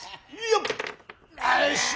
よし！